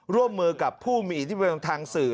ร่วมมือกับผู้มีอิทธิพลทางสื่อ